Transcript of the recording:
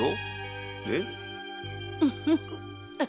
フフフ。